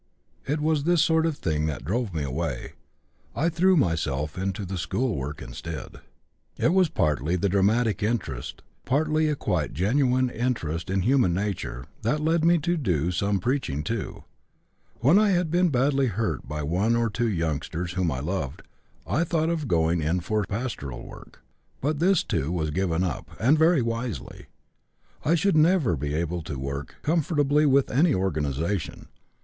It was this sort of thing that drove me away. I threw myself into the school work instead. "It was partly the dramatic interest, partly a quite genuine interest in human nature, that led me to do some preaching too. When I had been badly hurt by one or two youngsters whom I loved, I thought of going in for pastoral work, but this too was given up and very wisely. I should never be able to work comfortably with any organization.